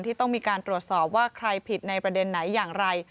ที่ต้องมีการตรวจสอบว่าใครผิดในประเด็นไหนอย่างไร